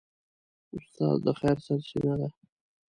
استاد د خیر سرچینه ده.